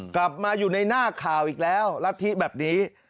กลับมาอยู่ในหน้าข่าวอีกแล้วรัฐธิแบบนี้